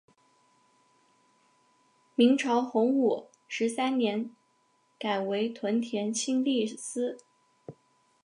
明朝洪武十三年改为屯田清吏司。